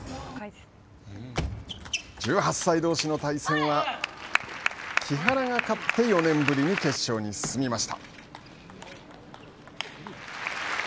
１８歳どうしの対戦は木原が勝って４年ぶりに決勝に進みました。